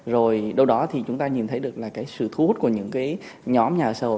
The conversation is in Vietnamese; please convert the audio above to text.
rồi đâu đó thì chúng ta nhìn thấy được là cái sự thu hút của những cái nhóm nhà ở